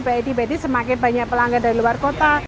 pak edi semakin banyak pelanggan dari luar kota